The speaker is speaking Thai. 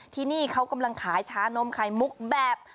ที่นี่เขาเกิดกำลังกำลังขายชานมไข่มุกแบบ